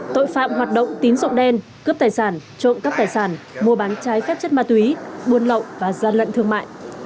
tội phạm hoạt động tín rộng đen cướp tài sản trộm các tài sản mua bán trái khép chất ma túy buôn lậu và gian lận thương mại